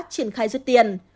triển khai giúp tiền